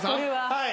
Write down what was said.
はい。